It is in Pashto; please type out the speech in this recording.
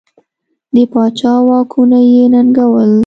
د پاچا واکونه یې ننګول.